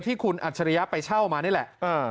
ที่คุณอัจฉริยะไปเช่ามานี่แหละ